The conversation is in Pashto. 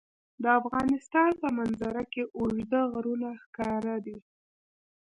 د افغانستان په منظره کې اوږده غرونه ښکاره ده.